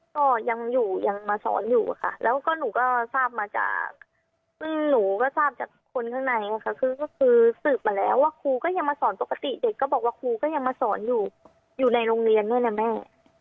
ก็ยังอยู่ยังมาสอนอยู่ค่ะแล้วก็หนูก็ทราบมาจากซึ่งหนูก็ทราบจากคนข้างในค่ะคือก็คือสืบมาแล้วว่าครูก็ยังมาสอนปกติเด็กก็บอกว่าครูก็ยังมาสอนอยู่อยู่ในโรงเรียนด้วยนะแม่